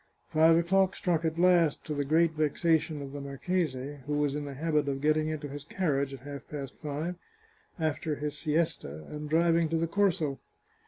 Five o'clock struck at last, to the great vexation of the marchese, who was in the habit of getting into his car riage at half past five, after his siesta, and driving to the Corso.